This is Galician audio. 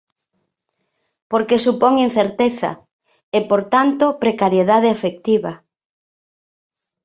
Porque supón incerteza e por tanto precariedade afectiva.